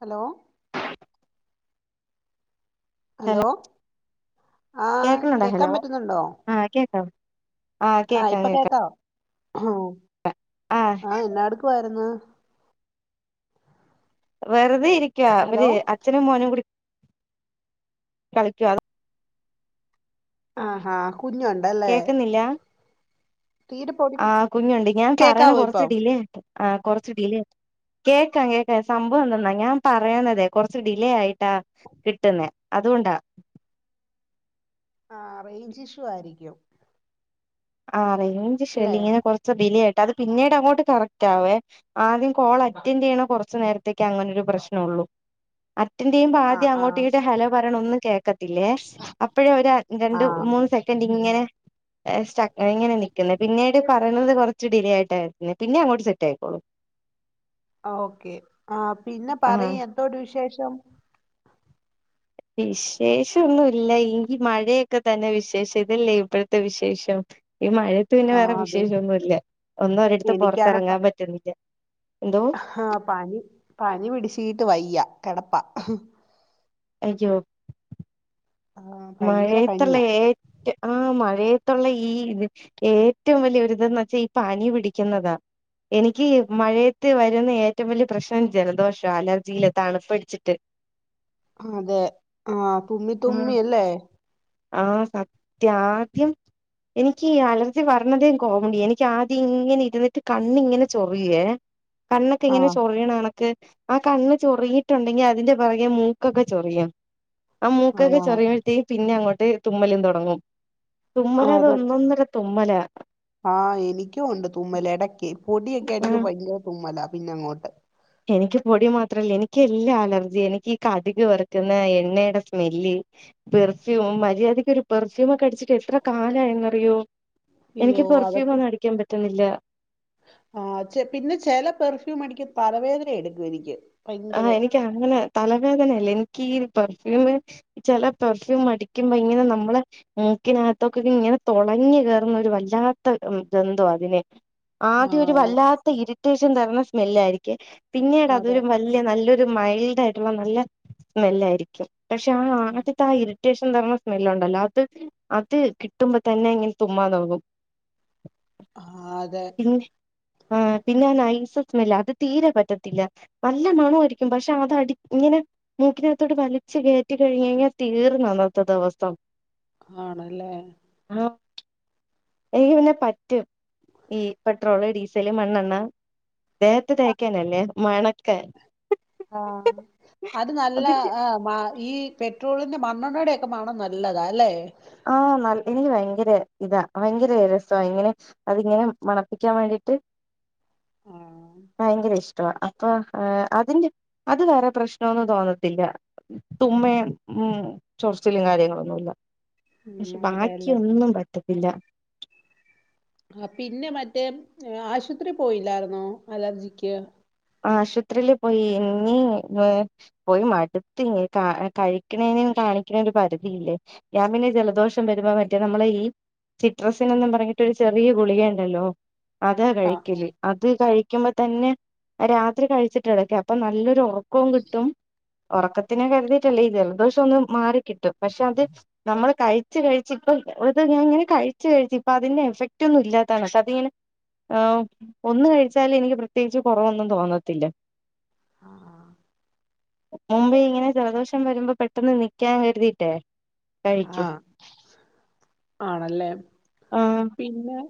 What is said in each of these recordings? Hello [inaudible] hello ആഹ് കേക്കണണ്ടോ hello ആ കേക്കാം ആഹ് ആ കേക്കാം ഇപ്പൊ കേക്കാം. കേക്കാവോ ഉം ആഹ് ആ എന്നാ എടുക്കുവായിരുന്നു വെവറുതെ ഇരി ക്ക ഹലോ ഇവര് അച്ഛനും മോനും കൂടി കളിക്കും അത് ആ ആ കുഞ്ഞ് ഉണ്ടല്ലേ ആ കുഞ്ഞുണ്ട് ഞാൻ പറയണ കേക്കാവോ കൊറച്ച് ഇപ്പം ഡിലേ ഇണ്ട് ആ കൊറച്ച് ഡിലേ കേക്കാം കേക്കാം സംഭവം എന്തന്നാ ഞാൻ പറയന്നതെ കൊറച്ച് ഡിലേ ആയിട്ടാ കിട്ടുന്നേ അതുകൊണ്ടാ ആ റേഞ്ച് ഇഷ്യു ആയിരിക്കും ആ റെയ് റെഞ്ച് ഇഷ്യൂ ല്ല അല്ലെ ഇങ്ങനെ കൊറച്ച് ഡിലെയാ അത് പിന്നീടങ്ങോട്ട് കറക്റ്റാവേ ആദ്യം കോൾ അറ്റൻഡ് ചെയ്യണ കൊറച്ച് നേരത്തേക്ക് അങ്ങനൊരു പ്രശ്നൊള്ളൂ അറ്റൻഡ് ചെയ്യുമ്പ ആദ്യം ആഹ് ആഹ് അങ്ങോട്ടീങ്ങോട്ട് ഹലോ പറയണ ഒന്നും കേ ട്ടില്ലേ അപ്പോഴെ ഒരു രണ്ട് ആഹ് മൂന്ന് സെക്കൻഡ് ഇങ്ങനെ ഏ സ്റ്റ ഇങ്ങനെ നിക്കുന്ന് പിന്നീട് പറയണത് കൊറച്ച് ഡിലേ ആയിട്ടായിരുന്നെ പിന്നെ അങ്ങോട്ട് സെറ്റ് ആയിക്കോളും ഓക്കെ ആ പിന്നെ ആഹ് പറയ് എന്തോ ണ്ട് വിശേ ഷം വിശേഷം ഒന്നുവില്ല എങ്കി മഴയൊക്കെ തന്നെ വിശേഷം ഇതല്ലേ ഇപ്പോഴത്തെ വിശേഷം ഈ മഴത്ത് പിന്നെ ആഹ് വേറെ അതെ വിശേഷന്നുല്ല ഒന്നും ഒരിടത്ത് എനിക്കാണെ പ പൊറത്തിറങ്ങാൻ പറ്റുന്നില്ല എന്തോ പനി പനി പിടിച്ചീട്ട് വയ്യ കെടപ്പാ അയ്യോ ആഹ് ഭയങ്കര മഴയത്തല്ലേ പനിയാ ഏറ്റ് ആ മഴയ ത്തോള്ള ഈ ഏറ്റോം വല്യ ഒരിതന്ന് വച്ചാ ഈ പനി പിടിക്കുന്നതാ എനിക്ക് ഈ മഴയത്ത് വരുന്ന ഏറ്റോം വല്യ പ്രശ്നം ജലദോഷാ അലർജീല് തണുപ്പടിച്ചിട്ട് അതെ ആ തുമ്മി തുമ്മി ഇല്ലേ ആ സത്യ ആദ്യം എനിയ്ക്കീ അലർജി വരണതേം കോമഡി എനിക്ക് ആദ്യം ഇങ്ങനെ ഇരുന്നിട്ട് കണ്ണിങ്ങനെ ചൊറിയേ കണ്ണൊക്കെ ഇങ്ങനെ ആഹ് ചൊറിയണ ക്ക് ആ കണ്ണ് ചൊറഞ്ഞിട്ടുണ്ടെങ്കി അതിന്റെ പൊറകെ മൂക്കൊക്കെ ചൊറിയും ആ മൂക്കൊക്കെ ചൊ ആഹ് പിന്നെ അങ്ങോട്ട് തുമ്മലും തൊടങ്ങും തുമ്മലത് ഒന്നൊന്നര തുമ്മലാ ആ എനിക്കും ഒണ്ട് തുമ്മലെ എടക്കേ പൊടിയെക്കെ ആഹ് അടിക്കുമ്പ പയങ്കര തുമ്മലാ പിന്നങ്ങോട്ട് എനിക്ക് പൊടി മാത്രല്ല എനിക്ക് എല്ലാ അലർജിയാ എനിയ്ക്കീ കടുക് വറുക്കുന്ന എണ്ണയുടെ സ്മെല്ല് പെർഫ്യൂം മര്യാദയ്ക്കൊരു പെർഫ്യൂമൊക്കെ അടിച്ചിട്ട് എത്ര കാലായന്നറിയോ എനിക്ക് അയ്യോ പെർഫ്യൂം അതൊക്കെ ഒന്നും അടിക്കാൻ പറ്റുന്നി ഇല്ല ആ ചെ പിന്നെ ചെല പെർഫ്യൂം അടിക്ക് തലവേദന എടുക്കും എനിക് ആ എനിക്ക് അങ്ങനെ തലവേദനയല്ല എനിയ്ക്കീ പെർഫ്യൂം ചില പെർഫ്യൂം അടിക്കുമ്പോ ഇങ്ങനെ നമ്മളെ മൂക്കിനകത്തൊക്കെ ഇങ്ങനെ തൊളഞ്ഞു കേറുന്നൊരു വല്ലാത്ത ഗന്ധവാ അതിന് ആ ആദ്യം ഒരു അതെ വല്ലാത്ത ഇരു അത്യാവശ്യം തെരണ സ്മെല്ലാ യിരിക്കെ അതെ പിന്നീടതൊരു നല്ലൊരു മൈൽഡ് ആയിട്ടുള്ള നല്ല സ്മെല്ലായിരിക്കും പക്ഷെ ആ ആദ്യത്ത അ [unintelligible] അത്യാവശ്യം തരണ സ്മെല്ലു ണ്ടല്ലോ അത് അത് കിട്ടുമ്പോ തന്നെ ഇങ്ങനെ തുമ്മാ നോകും ആ അതെ ആ പിന്നാ നൈസ് സ്മെല്ല അത് തീരെ പറ്റത്തില്ല നല്ല മണമായിരിക്കും പക്ഷെ അതടി ഇങ്ങനെ മൂക്കിനകത്തോട്ട് വലിച്ച് കേറ്റികഴിഞ്ഞു കഴിഞ്ഞാ തീർന്നത്തെ ദിവസം ആണല്ലേ ആ എനിക്ക് പിന്നെ പറ്റും ഈ പെട്രോള് ഡീസല് മണ്ണെണ്ണ ദേഹത്തെ തേക്കാനല്ലെ മണക് ആ അത് നല്ല അതിന്റെ ആ അത് ഈ പെട്രോളിന്റെറെ മണ്ണണ്ണടൊക്കെ മണം നല്ലതാ അല്ലെ ആ എനിക്ക് ഭയങ്കര ഇതാ ഭയങ്കര രസ ഇങ്ങനെ അതിങ്ങനെ മണപ്പിക്കാൻ വേണ്ടിട്ട് ആഹ് ഭയങ്കര ഇഷ് [unintelligible] അപ്പൊ അതിന്റെ അത് വേറെ പ്രശ്നമൊന്നും തോന്നത്തില്ല തുമ്മയും ഉം ചൊറച്ചിലും കാര്യങ്ങളൊന്നുമല്ല ഉം പക്ഷെ ബാക്കി അതെല്ലേ ഒന്നും പറ്റത് ഇല്ല ആ പിന്നെ മറ്റേ ആശുപത്രി പോയില്ലായിന്നോ അലർജിക്ക് ആശോത്രില് പോയി ഇനി പോയി മട്ത്ത്ഞ് കഴിക്ക്ണേനും താളിക്ക്ണേനും ഒരു പരിധിയില്ലേ ഞാൻ പിന്നെ ജലദോഷം വരുമ്പോ മറ്റേ നമ്മളെ ഈ സിട്രസിനൊന്നും പറഞ്ഞിട്ടോരു ചെറിയ ഗുളിക ഉണ്ടല്ലോ അതാ ആഹ് കഴിക്കല് അത് കഴിക്കുമ്പ തന്നെ രാത്രി കഴിച്ച്ട്ട് കെടക്കാ അപ്പം നല്ലൊരു ഒ ക്കും കിട്ടും ഉറക്കത്തിനെ കരുതിയിട്ടല്ലേ ഈ ജലദോഷം ഒന്ന് മാറിക്കിട്ടും പക്ഷെ അത് നമ്മള് കഴിച്ച് കഴിച്ച്പ്പം [unintelligible] ഞാൻ ഇങ്ങനെ കഴിച്ച് കഴിച്ച് ഇപ്പം അതിന്റെ എഫക്റ്റ് ഒന്നും ഇല്ലാത്താണ് അതിങ്ങനെ ഒന്ന് കഴിച്ചാല് എനിക്ക് പ്രത്യേകിച്ചും കൊറവൊന്നും തോന്നത്തില്ല അ ആ മുമ്പേ ഇങ്ങനെ ജലദോഷം വരുമ്പം പെട്ടെന്ന് നിക്കാൻ കരുതിട്ടേ കഴിക്കും ആഹ് ആണല്ലേ ആഹ് പിന്നെ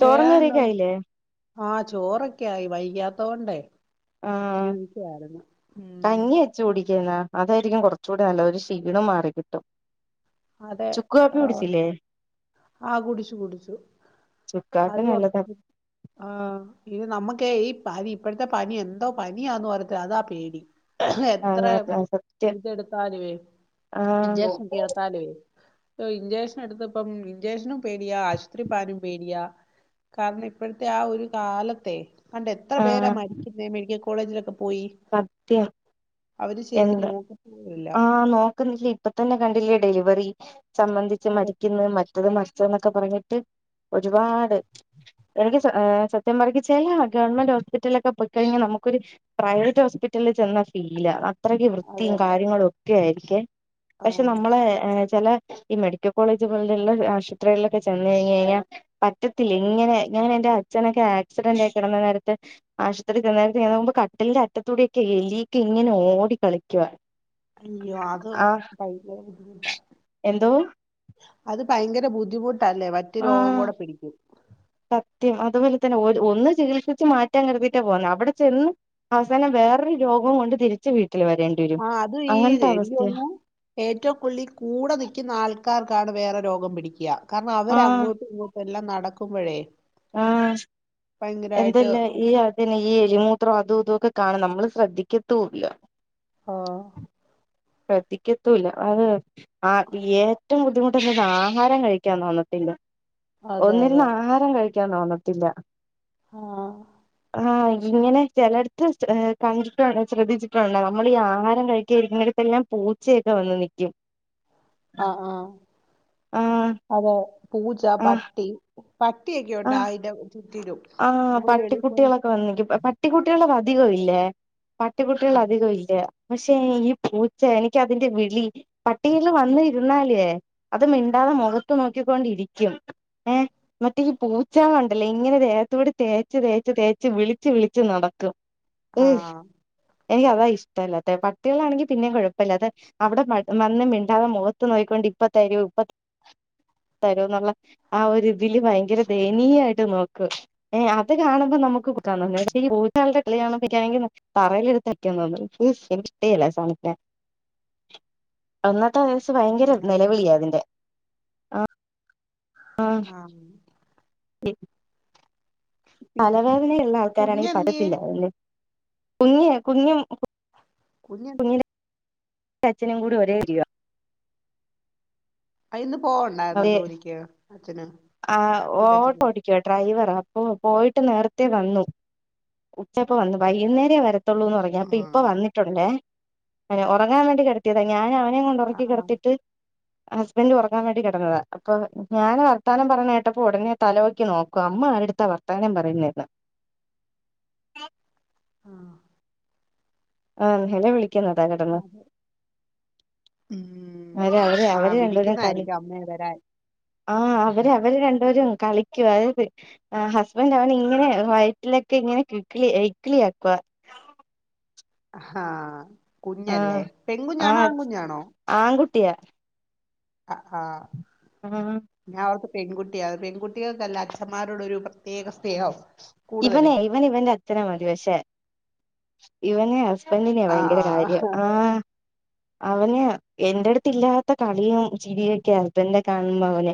ചോറും കറിംക്കെ ആയില്ലേ ആ ചോറൊക്കെ ആയി വയ്യാത്തോണ്ടേ ആഹ് [unintelligible] ന്നാ അതായിരിക്കും കൊർച്ചും കൂടി നല്ലത് ഒരു ക്ഷീണം മാറി കിട്ടും അതെ ചുക്ക് കാപ്പി ആ കുടിച്ചില്ലേ ആ കുടിച്ചു കുടിച്ചു ചുക്ക് കാപ്പി അത് നല്ലതാ [unintelligible] ആ ഇത് നമ്മക് ക്കെ ഈ പനി ഇപ്പോഴത്തെ പനി എന്തോ പനിയാന്ന് [unintelligible] അതാ പേടി എത്ര സത്യം ഇതെടുത്തലുവെ ആഹ് ഇൻജെക്ഷന ഇഞ്ചക്ഷൻ എടുത്തപ്പം ഇഞ്ചക്ഷനും പേടിയാ ആശുപത്രി പാനും പേടിയാ കാരണം ഇപ്പഴത്തെ ആ ഒരു കാലത്തെ തണ്ടെ എത്ര പേരാ ആഹ് മരിക്കുന്നേ മെഡിക്കൽ കോ കോളേജിലൊക്കെ പോയി സത്യം അവര് ശരിക്കും എന്ത നോക്ക ആഹ് നോക്കുന്നില്ല ഇപ്പ തന്നെ കണ്ടില്ലേ ഡെലിവറി സംബന്ധിച്ച് അതെ മരിക്കുന്ന മറ്റത് മറ് ത് എന്നൊക്കെ പറഞ്ഞിട്ട് ഒരുപാട് എനിക്ക് സത്യം പറഞ്ഞിച്ചൽ ഗവൺമെന്റ് ഹോസ്പിറ്റലൊക്കെ പോ [unintelligible] ക്കഴിഞ്ഞാൽ നമുക്കൊരു പ്രൈവറ്റ് ഹോസ്പിറ്റലിൽ ചെന്ന ഫീല അത്രക്ക്‌ വൃത്തിയും അതെ കാ ഒക്കെ ആയിരിക്കേ പക്ഷെ ആഹ് നമ്മളെ [unintelligible] ചെല ഈ മെഡിക്കൽ കോളേജ് പോലുള്ള ആശുപത്രികിലൊക്കെ ചെന്ന് കഴിഞ്ഞ് കഴിഞ്ഞാ പറ്റത്തില്ല ഇങ്ങനെ ഇങ്ങനെന്റെ അച്ഛനെക്കെ ആക്സിഡന്റ് ആയി കിടന്ന നേരത്ത് ആശൂത്രി കെടന്നനേരത്ത് ഞാന്നോക്കുമ്പോ കട്ടിലിന്റെ അറ്റത്തൂടിയൊക്കെ എലിക്കെ ഇങ്ങനെ ഓടി കളിക്കുവാ അയ്യോ അത് ആഹ് ഭയങ്ക എന്തോ അത് ഭയങ്കര ബുദ്ധിമുട്ട് തല്ലേ വറ്റു രോഗം കൂടെ പിടിക്കും ത്യം അതുപോലെ തന്നെ ഒര ഒന്ന് ചികിത്സിച്ച് മാറ്റാൻ കരുതിയിട്ടാ പോന്നെ അവിടെ ചെന്ന് അവസാനം വേറൊരു രോഗം കൊണ്ട് തിരിച്ച് വീ ആ അതു ഈ എനിക്ക് തോന്നുന്നു ഏറ്റവും കുള്ളി കൂടെ നിക്കുന്ന ആൾക്കാർക്കാണ് വേറെ രോഗം പിടിക്ക്യാ കാരണം അവരങ്ങോട്ടും ഇങ്ങോട്ടും എല്ലാം നടക്കും മ്പഴേ ആഹ്എന്ത്ല്ല ഈ അതിന് ഈ എലിമൂ ത്ര അതുഇതോക്കെ കാണും നമ്മള് ശ്രദ്ധിക്കത്തൂല്ല ആഹ് പ്രത്തിക്കത്തുല്ലാ [unintelligible] അത് ആ തിഏറ്റം ബുദ്ധിമു ട്ട് ആഹാരം കഴിക്കാൻ തോന്നാത്തില്ല അതെ ഒന്നിരുന്ന് അതെ ആഹാരം കഴി ക്കാൻ തോന്നത്തില്ല ആഹ് ആഹ് ഇങ്ങനെ ചെലട്ത്ത് കണ്ട് [unintelligible] ശ്രദ്ധിച്ചിട്ടുണ്ടൊ നമ്മളീ ആഹാരം കഴിക്ക്യാ ഇരിക്കുണോട്ത്ത് എല്ലാം പൂച്ചയൊക്കെ വന്ന് നിക്കും ആഹ് ആഹ് ആഹ് അതെ പൂച്ച ആഹ് പട്ടി പട്ടിയെക്കെ ഉണ്ട് ആഹ് അയിന്റെ [unintelligible] ആഹ് പട്ടിക്കുട്ടികളൊക്കെ വന്ന് നിക്കും പട്ടിക്കുട്ടികളടെ ധികവില്ലേ പട്ടി കുട്ടികൾ ആ അധിക ഇല്ല പക്ഷെ ഈ പൂച്ച എനിക്കതിന്റെ വിളി പട്ടികള് വന്നിരുന്നാലുവെ അത് മിണ്ടാതെ മുഖത്ത് നോക്കിക്കൊണ്ടിരിക്കും ഏ മറ്റേ ഈ പൂച്ച ഉണ്ടല്ലോ ഇങ്ങനെരു എ ത്തുകൂടി തേച്ച് തേച്ച് തേച്ച് വിളിച്ച് വിളിച്ച് നടക്കും ആഹ് എനിക്കതാ ഇഷ്ടല്ലാത്തെ പട്ടികളാണെങ്കി പിന്നേ കുഴപ്പില്ലാതെ അവിടെ മ വന്ന് മിണ്ടാതെ മുഖത്ത് നോയിക്കൊണ്ട് ഇപ്പ തരൂ ഇപ്പ തരൂ എന്നുള്ള ആ ഒരു ഇതില് ഭയങ്കര ദയനീയായിട്ട് നോക്കു ഏ അത് കാണുമ്പോ നമുക്ക് ആ, [unintelligible] [unintelligible] തറയിൽ എടുതിട്ട് അടിക്കാൻ തോന്നും ഇഷ്ടെ അല്ല സോങ് തെ ത്ത വയസ്സ് ഭയങ്കര ആണല്ലേ നിലവിളിയാ അതിന്റെ ആഹ് ആഹ് തലവേദനയുള്ള ആൾക്കാരാണെങ്കിൽ കുഞ്ഞെന്തിയേ പറ്റത്തില്ല അതില് കുഞ്ഞെ കുഞ്ഞും കുഞ്ഞാത്തി എന്റെ അച്ഛനും കൂടി ഒരേ [unintelligible] അന്ന് പോവണ്ടായിരുന്നു അവര് ജോലിക്ക് അച്ഛന്. കുഞ്ഞിന്റെ അച്ഛന് അപ്പ പോയിട്ട് നേരത്തെ വന്നു. ഉചക്ക് വന്നു വൈകുന്നേര വരതു ള്ളൂന്ന് പറഞ്ഞ ആ അപ്പൊ ഇപ്പൊ വന്നിട്ടുണ്ട് അ ഉറങ്ങാൻ വേണ്ടി കേടത്തിയതാ ഞാൻ അവൻ അ ആ ഉറക്കി ആ കിടത്തിട്ട് ഹസ്ബന്റ് ഉറങ്ങാൻ വേണ്ടി കിട ടെന്നത അപ്പൊ ഞാൻ വർത്താനം പറഞ്ഞ കേട്ടപ്പൊ ഉടനെ തലപോക്കി നോക്കാ അമ്മ ആരോടുത്ത വർത്താനം പറയുന്നന്ന് ആ ആഹെല വിളിക്ക [unintelligible] കിടന്ന് അതെ ഉം അവര് അവര് ആ അവര് രണ്ടുപെരും കളി വിളിക്കുന്നതായിരിക്കും അമ്മയെ വരാൻ ആ അവര് അവര് രണ്ടരും കളിക്കുക അതായത് ഹസ്ബൻറ് അവന ഇങ്ങനെ വയറ്റിലൊക്കെ ഇങ്ങനെ ഇക്കിളി ഇക്കിളിയക്കുക ഹാ കുഞ്ഞല്ലേ ആഹ് പെൺകുഞ്ഞാണോ ആകുഞ്ഞാണോ ത്തിയ ആ ആഹ മ്മ് പെൺകുട്ടിയാ പെൺകുട്ടികൾക്കല്ല അച്ഛന്മാരോടൊ ഒരു പ്രത്യേക സ്നേഹം കൂടുതല് ഇവനെ ഇവൻ ഇവന്റെഅച്ഛനെ മതിപക്ഷേ ഇവന് സ് [unintelligible] ആ ഭയങ്കര കാര്യം ആഹ അവന് എന്റെ അടുത്ത് ഇല്ലാത്ത കളിയും ചിരിയും ഒക്കെ ഹസ്ബൻഡ് കാണുമ്പോ അവന്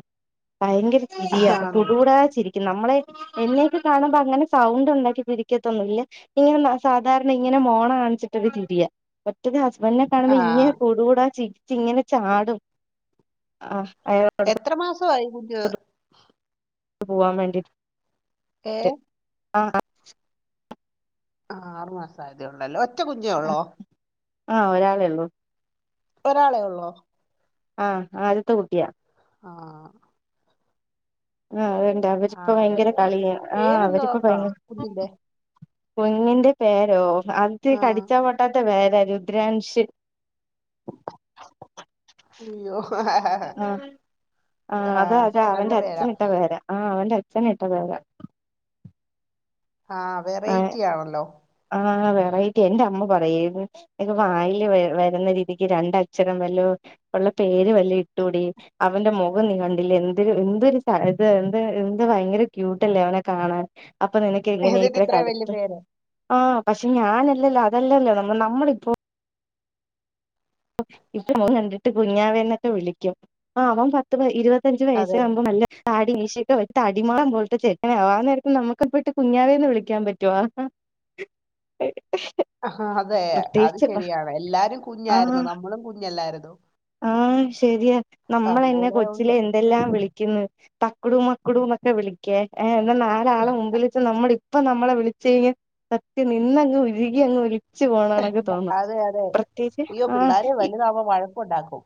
ഭയങ്കര ചിരിയാണ് ആണോ കുടൂകുടാ ചിരിക്കും നമ്മളെ എന്നെയൊക്കെ കാണുമ്പോ സൗണ്ട് ഉണ്ടാക്കി തിരിക്കത്തൊന്നുംല്ല ഇങ്ങനെ സാധാരണ ഇങ്ങനെ മോണ കാണിച്ചിട്ട് ചിരിയാ മറ്റേത് ഹസ്ബൻഡ് എന്നെ ആ കാണുമ്പോ ഇങ്ങനെ കുടു കൂടാ ചിരി ഇങ്ങനെ ചാടും ആഹ എത്ര മാസമായി കുഞ്ഞ് പോവാൻ വേണ്ടി ഏ ട്ട് ആഹ ആ ആറു മാസം ആയതേ ഉള്ളല്ലോ ഒ ഒറ്റ കുഞ്ഞെ ഉള്ളോ ആഹ ഒരാളെ ഉള്ളൂ ഒരാളെ ഉള്ളോ ആഹ ആദ്യത്തെ കുട്ടിയാ ആ ആ അവര്ണ്ട് അവരിപ്പ ആണല്ലേ ഭയങ്കര കളിയാണ് ആഹ പേരെന്തോ അവരിപ്പ ആ ഭയങ്കര കുഞ്ഞിന്റെ കുഞ്ഞിന്റെ പേരോ അതി ആ കടിച്ചാ പൊട്ടാത്ത പേര രുദ്രാംശി അയ്യോ ആ ആ അത അത നല്ല അവന്റെ പേരാ അച്ഛനിട്ട പേരാ ആ അവന്റെച്ഛ അച്ഛൻ ഇട്ട പേര ആഹ വെറൈറ്റി ആണല്ലോ ആഹ് എന്റെ അമ്മ പറയും എനിക്ക് വായില് വരുന്ന രീതിക്ക് രണ്ട അക്ഷരം വല്ല ഉള്ള പേര് വല്ല ഇട്ടുകൂടി അവന്റെ മുഖം നീ കണ്ടില്ലേ എന്തൊ എന്തരു ഇത് എന്ത് എന്ത് ഭയങ്കര ക്യൂട്ട്ല്ലേ അവനെ കാണാൻ അപ്പൊ നിനക്ക് എങ്ങനെയ എത്ര വല്യ പേര് ആ പക്ഷെ ഞാനല്ലല്ലോ അതല്ലല്ലോ നമ്മ നമ്മള ഇപ്പോൊ ഇപ്പമോൻ കണ്ടിട്ട് കുഞ്ഞാവേന്നൊക്കെ വിളിക്കും ആ അവൻ പത്ത് പ ഇരുപത്തി അത്തഞ്ചു വയസ അതെ ആകുമ്പ അല്ലടി താടീ മീശേം ചക്ക തടിമാളം പോലത്തെ ചേട്ടനെ ആവും ആനേരത്തു നമുക്ക്പ്പ ഇട്ട് കുഞ്ഞാവേന്ന് വിളിക്കാൻ പറ്റുവ അതെ അത് ശരിയാണ് എല്ലാരും കുഞ്ഞായിരുന്നു ആ നമ്മളും കുഞ്ഞല്ലായിരുന്നു ആഹ ശരിയാ നമ്മളന്നെ അതുപോലെ കൊച്ചിലെ ഉള്ളു എന്തെല്ലാം വി ളിക്കുന്നു തക്കുടു മക്കുടു എന്നൊക്കെ വിളിക്ക നാലാളെ മുമ്പിൽ വെച്ച് നമ്മളെ ഇപ്പം ഇപ്പൊ നമ്മളെ വിളിച്ചു കഴിഞ് സത്യം നിന്നങ്ങ് ഉരുകി അങ്ങ് ഒലിച്ചു പോണണൊക്കെ തോന്നും പ്രത്യേകിച്ച് ആഹ് പിള്ളേർ ഇ വലുതാവുമ്പോ മഴ ക്കുണ്ടാക്കും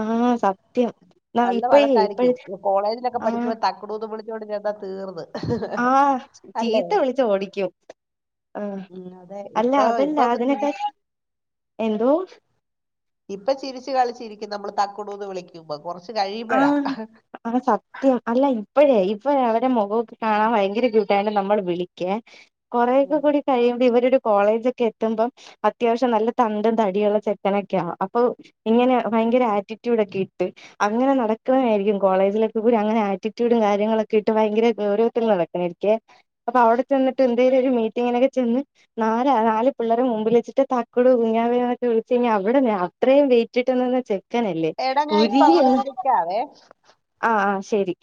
ആഹ സത്യം നല്ല ഇപ്പഴേ വഴക്കായിരിക്കും ഇപ്പഴ് കോളേജിലൊക്കെ പഠിക്കുമ്പോ തക്കുടൂന്നും വി ച്ചോണ്ട് ചെന്നാ തീർന്ന് ആ അല്ലേ ചീത്ത വിളിച്ചു ഓടിക്കും ആ ഉം, അതെ അല്ല ഇപ്പൊ അതല്ല ഇപ്പൊ അങ്ങ് ചിരി അതിനെക്കെ എന്തോ [unintelligible] ഇപ്പൊ ചിരിച്ചു കളിച്ചിരിക്കും നമ്മൾ തക്കുടൂന്ന് വിളിക്കുമ്പം കുറച്ച് ആ കഴിയുമ്പോഴാ ആ സത്യം അല്ല ഇപ്പഴേ ഇപ്പഴ് അവര് മുഖം കാണാൻ ഭയങ്കര ക്യൂട്ടായിട്ട് നമ്മള് വിളിക്കേ കൊറേയൊക്കെ ഉം. കൂടി കഴിയുമ്പം ഇവരൊരു കോളേജൊക്കെ എത്തുമ്പം അത്യാവശ്യം നല്ല തണ്ടും തടിയുള്ള ചെക്കനൊക്കെ ആകും അപ്പൊ ഇങ്ങനെ ഭയങ്കര ആറ്റിറ്റ്യൂഡ് ഒക്കെ ഇട്ട് അങ്ങനെ നടക്കണ ആയിരിക്കും കോളേജിലൊക്കെ പോയി അങ്ങനെ ആറ്റിറ്റ്യൂഡും കാര്യങ്ങളൊക്കെ ഇട്ട് ഭയങ്കര ഗൗരവത്തിൽ നടക്കണായിരിക്കേ അപ്പൊ അവിടെ ചെന്നിട്ട് എന്തെേലും ഒരു മീറ്റിങ്ങിനൊക്കെ ചെന്ന് നാലാ നാല് പിള്ളേരെ മുമ്പിൽ വെച്ചിട്ട് തക്കുടു കുഞ്ഞാവേന്നൊക്കെ വിളിച്ച് കഴിഞ്ഞാ അവിടെന്ന് അത്രയും വെയിറ്റിട്ട് നിന്ന ചെ ചെക്കനല്ലേ ഉരുകി ഉ ക്കാവേ ആ ശരി